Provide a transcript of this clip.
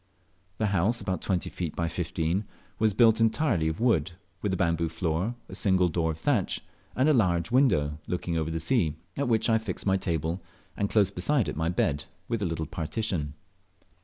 The house, about twenty feet by fifteen; was built entirely of wood, with a bamboo floor, a single door of thatch, and a large window, looking over the sea, at which I fixed my table, and close beside it my bed, within a little partition.